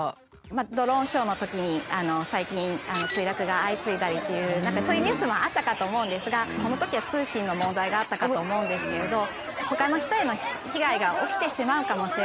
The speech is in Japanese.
ドローンショーのときに最近墜落が相次いだりっていうそういうニュースもあったかと思うんですがこのときは通信の問題があったかと思うんですけれどほかの人への被害が起きてしまうかもしれない。